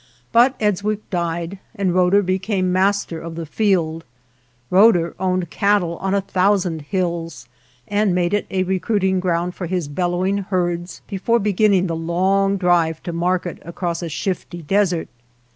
But Eds wick died and Roeder became master of the field. Roeder owned cattle on a thousand hills, and made it a recruiting ground for his bellowing herds before beginning the long drive to market across a shifty desert.